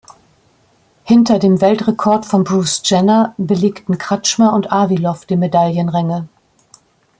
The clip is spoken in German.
Hinter dem Weltrekord von Bruce Jenner belegten Kratschmer und Awilow die Medaillenränge.